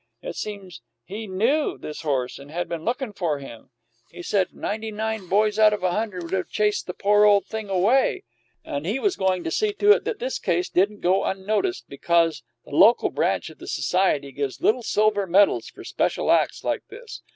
It seems he knew this horse, and had been looking for him. He said ninety nine boys out of a hundred would have chased the poor old thing away, and he was going to see to it that this case didn't go unnoticed, because the local branch of the society gives little silver medals for special acts like this.